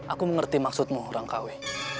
aku mengerti maksudmu rangkawi